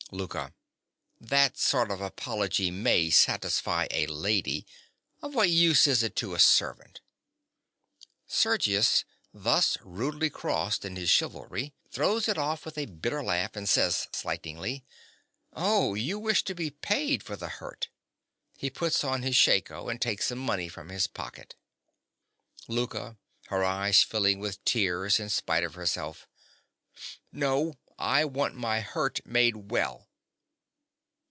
LOUKA. That sort of apology may satisfy a lady. Of what use is it to a servant? SERGIUS. (thus rudely crossed in his chivalry, throws it off with a bitter laugh and says slightingly). Oh, you wish to be paid for the hurt? (He puts on his shako, and takes some money from his pocket.) LOUKA. (her eyes filling with tears in spite of herself). No, I want my hurt made well.